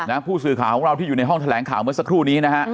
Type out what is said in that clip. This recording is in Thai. ผู้สื่อข่าวของเราที่อยู่ในห้องแถลงข่าวเมื่อสักครู่นี้นะฮะ